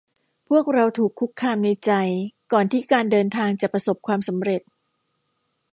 พวกเราถูกคุกคามในใจก่อนที่การเดินทางจะประสบความสำเร็จ